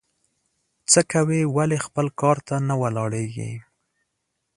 څه کوې ؟ ولي خپل کار ته نه ولاړېږې؟